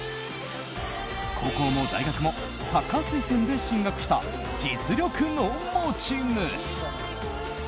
高校も大学もサッカー推薦で進学した実力の持ち主。